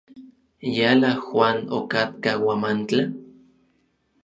¿Yala Juan okatka Huamantla?